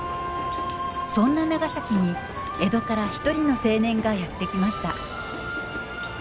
そんな長崎に江戸から一人の青年がやって来ました。